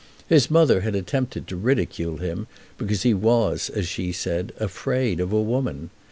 His mother had attempted to ridicule him, because he was, as she said, afraid of a woman.